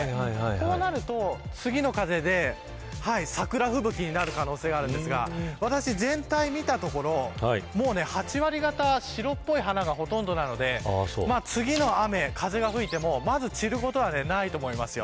こうなると、次の風で桜吹雪になる可能性があるんですが私全体を見たところ８割がた、白っぽい花がほとんどなので次の雨、風が吹いてもまず散ることはないと思います。